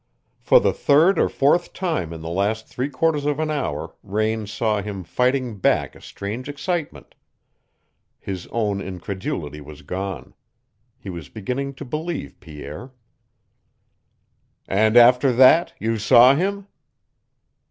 For the third or fourth time in the last three quarters of an hour Raine saw him fighting back a strange excitement. His own incredulity was gone. He was beginning to believe Pierre. "And after that you saw him?"